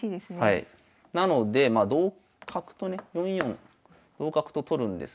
なのでまあ同角とね４四同角と取るんですが。